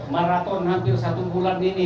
maraton hampir satu bulan ini